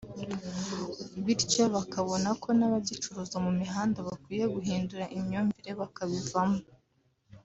bityo bakabona ko n’abagicuruza mu mihanda bakwiye guhindura imyumvire bakabivamo